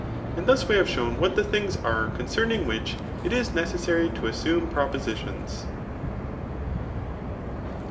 And thus we have shown what the ' things are concerning which it is necessary to assume propositions.